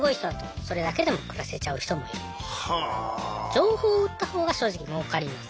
情報を売ったほうが正直もうかります。